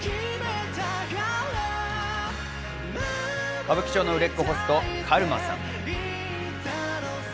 歌舞伎町の売れっ子ホスト、カルマさん。